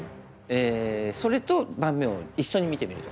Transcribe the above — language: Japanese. それと盤面を一緒に見てみると。